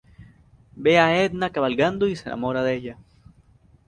Ve a Edna cabalgando y se enamora de ella.